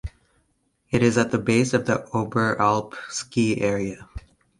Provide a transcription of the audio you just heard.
It is at the base of the Oberalp ski area.